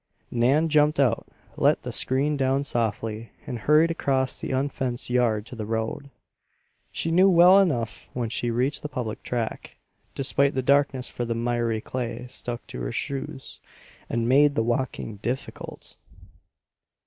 Nan jumped out, let the screen down softly, and hurried across the unfenced yard to the road. She knew well enough when she reached the public track, despite the darkness for the mirey clay stuck to her shoes and made the walking difficult.